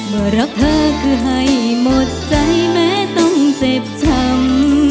ว่ารักเธอคือให้หมดใจแม้ต้องเจ็บช้ำ